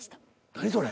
何それ？